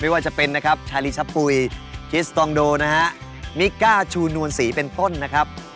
ว่าจะเป็นนะครับชาลีชะปุ๋ยคิสตองโดนะฮะมิกก้าชูนวลศรีเป็นต้นนะครับ